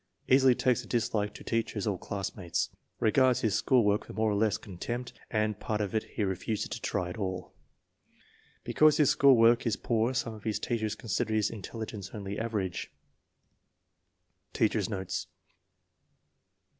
Easily takes a dislike to teachers or classmates. Regards his school work with more or less contempt and part of it he refuses to try at all. Because his school work is poor some of his teachers consider his intelligence only average. FORTY ONE SUPERIOR CHILDREN 243 Teacher's notes.